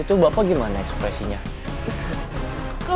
emang bagus dong kamu gak ngeliat ekspresi saya waktu itu